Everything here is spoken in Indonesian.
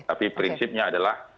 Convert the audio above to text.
tapi prinsipnya adalah